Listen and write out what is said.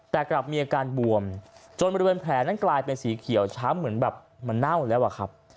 แต่กลับมีอาการบวมจนบริเวณแผลนั้นกลายเป็นสีเขียวช้ำเหมือนแบบมันเน่าแล้วอะครับ